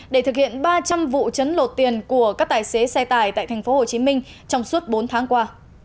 để thực hiện ba trăm linh vụ chấn lột tiền của các tài xế xe tải tại thành phố hồ chí minh trong suốt bốn tháng qua